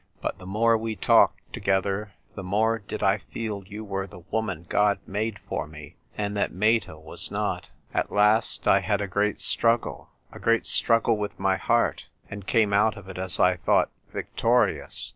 But the more we talked together the more did I feel you were the woman God made for me, and that Meta was not. At last I had a great struggle — ^a great struggle with my heart, and came out of it as I thought victorious.